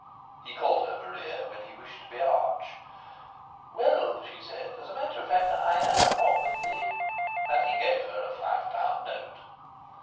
He called her Maria when he wished to be arch. Well,' she said, 'as a matter of fact, I am. What with the ' And he gave her a five pound note.